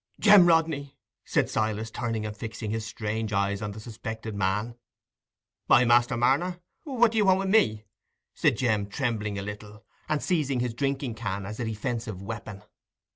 "Jem Rodney!" said Silas, turning and fixing his strange eyes on the suspected man. "Aye, Master Marner, what do you want wi' me?" said Jem, trembling a little, and seizing his drinking can as a defensive weapon.